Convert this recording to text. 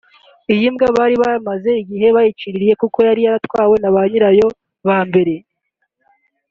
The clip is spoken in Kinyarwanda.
Iyi mbwa bari bamaze igihe gito baciririye kuko yari yaratawe na ba nyirayo ba mbere